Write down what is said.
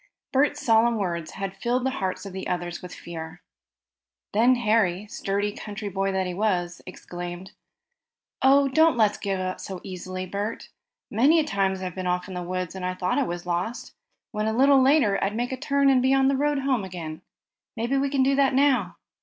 Bert's solemn words had filled the hearts of the others with fear. Then Harry, sturdy country boy that he was, exclaimed: "Oh, don't let's give up so easily, Bert. Many a time I've been off in the woods, and thought I was lost, when a little later, I'd make a turn and be on the road home. Maybe we can do that now."